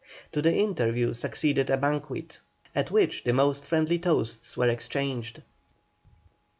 To the interview succeeded a banquet, at which the most friendly toasts were exchanged.